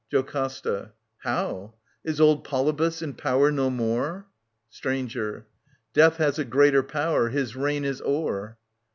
JOCASTA. How ? Is old Polybus in power no more ? Stranger. Death has a greater power. His reign is o*er.